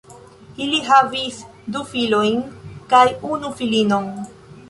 Ili havis du filojn kaj unu filinon.